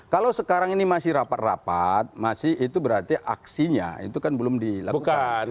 kalau sekarang ini masih rapat rapat itu berarti aksinya itu kan belum dilakukan